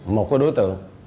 một cái đối tượng